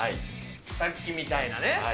さっきみたいなね。